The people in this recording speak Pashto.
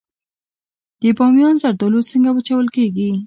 د بامیان زردالو څنګه وچول کیږي؟